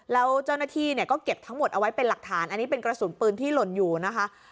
แล้วเจ้าหน้าที่เนี่ยก็เก็บทั้งหมดเอาไว้เป็นหลักฐานอันนี้เป็นกระสุนปืนที่หล่นอยู่นะคะ